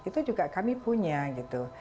itu juga kami punya gitu